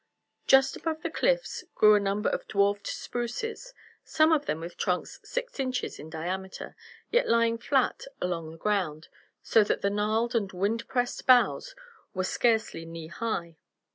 Just above the cliffs grew a number of dwarfed spruces, some of them with trunks six inches in diameter, yet lying flat along the ground, so that the gnarled and wind pressed boughs were scarcely knee high.